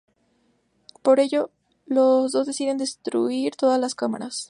Por ello, los dos deciden destruir todas las cámaras.